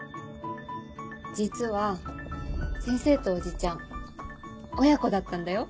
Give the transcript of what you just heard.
実は先生とおじちゃん親子だったんだよ。